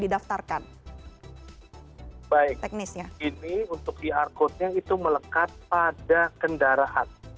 ini untuk qr code nya itu melekat pada kendaraan